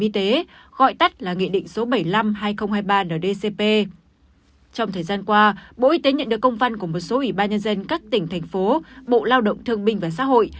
trong thời gian qua bộ y tế nhận được công văn của một số ủy ban nhân dân các tỉnh thành phố bộ lao động thương minh và xã hội